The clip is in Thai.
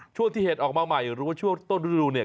ช่วงที่เห็ดออกมาใหม่หรือว่าช่วงต้นฤดูเนี่ย